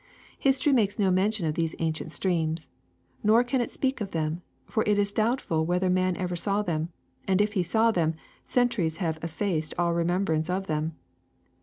History makes no mention of these ancient streams. Nor can it speak of them, for it is doubt ful whether man ever saw them ; and if he saw them, the centuries have effaced all remembrance of them.